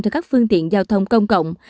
cho các phương tiện giao thông công cộng